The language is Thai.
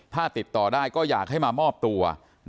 ถ้าติดต่อได้ก็อยากให้มามอบตัว